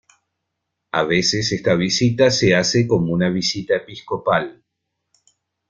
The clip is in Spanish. A veces esta visita se hace como una visita episcopal.